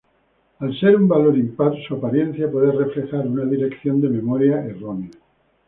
Al ser un valor impar, su apariencia puede reflejar una dirección de memoria errónea.